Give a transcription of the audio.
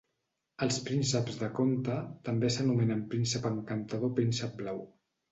Els prínceps de conte també s'anomenen príncep encantador o príncep blau.